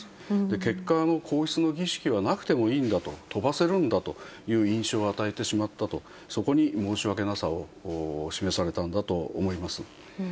結果、皇室の儀式はなくてもいいんだと、飛ばせるんだという印象を与えてしまったと、そこに申し訳なさを示されたんだと思います。